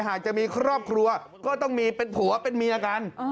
หากจะมีครอบครัวก็ต้องมีเป็นผัวเป็นเมียกัน